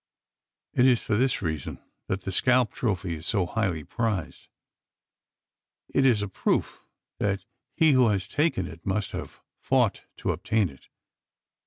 It is for this reason that the scalp trophy is so highly prized: it is a proof that he who has taken it must have fought to obtain it.